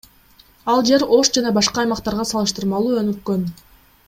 Ал жер Ош жана башка аймактарга салыштырмалуу өнүккөн.